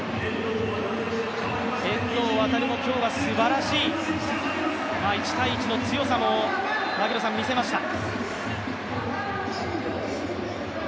遠藤航も今日はすばらしい１対１の強さを見せました。